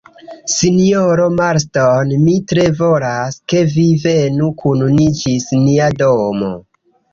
Sinjoro Marston, mi tre volas, ke vi venu kun ni ĝis nia domo.